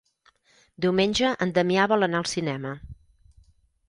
Diumenge en Damià vol anar al cinema.